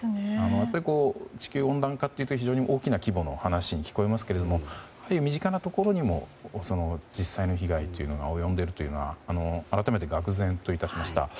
地球温暖化というと非常に大きな規模の話に聞こえますけれども身近なところにも実際の被害というのが及んでいるということに改めてがくぜんといたしました。